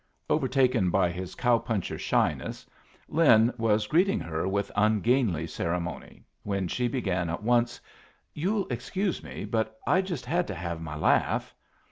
Overtaken by his cow puncher shyness, Lin was greeting her with ungainly ceremony, when she began at once, "You'll excuse me, but I just had to have my laugh."